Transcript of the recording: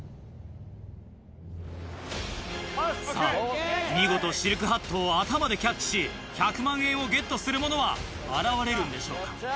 さぁ見事シルクハットを頭でキャッチし１００万円をゲットする者は現れるんでしょうか？